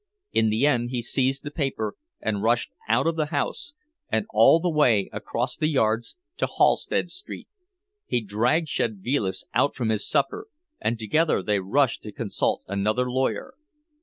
In the end he seized the paper and rushed out of the house, and all the way across the yards to Halsted Street. He dragged Szedvilas out from his supper, and together they rushed to consult another lawyer.